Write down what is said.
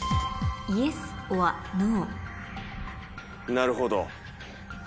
なるほど。